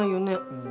うん。